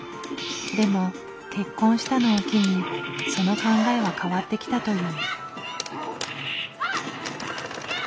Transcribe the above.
でも結婚したのを機にその考えは変わってきたという。